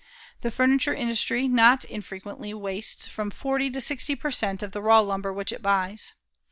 The furniture industry not infrequently wastes from 40 to 60 per cent. of the raw lumber which it buys.